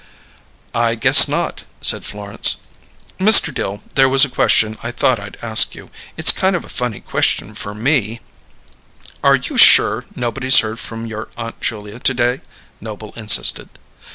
"I guess not," said Florence. "Mr. Dill, there was a question I thought I'd ask you. It's kind of a funny question for me " "Are you sure nobody's heard from your Aunt Julia to day?" Noble insisted.